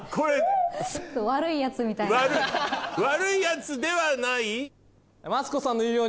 悪いヤツではない？